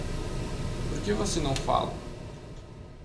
Por que você não fala?